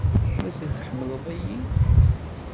Mazal tḥemmleḍ-iyi?